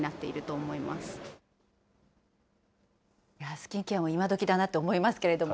スキンケアも今どきだなと思いますけれども。